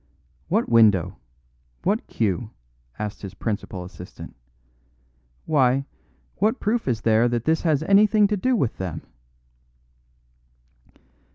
"What window? What cue?" asked his principal assistant. "Why, what proof is there that this has anything to do with them?"